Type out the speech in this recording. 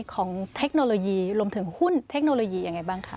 เทคโนโลยีรวมถึงหุ้นเทคโนโลยียังไงบ้างคะ